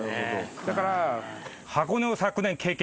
だから。